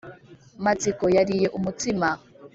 Matsiko yariye umutsima.